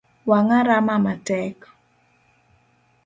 Wanga rama matek.